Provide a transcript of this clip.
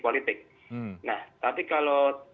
politik nah tapi kalau